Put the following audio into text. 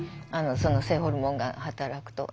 その性ホルモンが働くと。